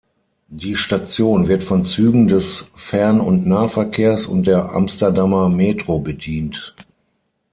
Die Station wird von Zügen des Fern- und Nahverkehrs und der Amsterdamer Metro bedient.